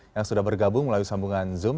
yang sudah bergabung melalui sambungan zoom